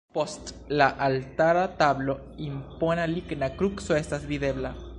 Post la altara tablo impona ligna kruco estas videbla.